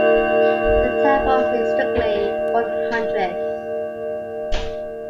"Centavo" means, strictly, "one-hundredth".